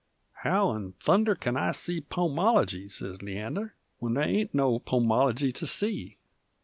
"How in thunder kin I see Pomology," sez Leander, "when there ain't no Pomology to see?